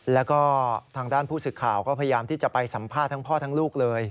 แล้วก็ทางด้านผู้สื่อข่าวก็พยายามที่จะไปสัมภาษณ์ทั้งพ่อทั้งลูกเลย